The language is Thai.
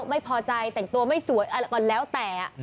ไม่พอใจแต่งตัวไม่สวยอะไรก็แล้วแต่